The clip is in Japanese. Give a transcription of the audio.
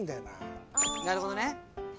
なるほど。